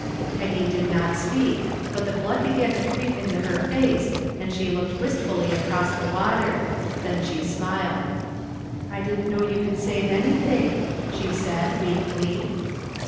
Peggy did not speak, but the blood began to creep into her face and she looked wistfully across the water. Then she smiled. "I didn't know you could save anything," she said, weakly.